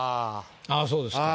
あぁそうですか。